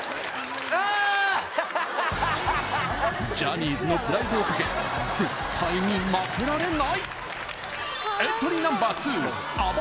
ジャニーズのプライドをかけ絶対に負けられないエントリーナンバー２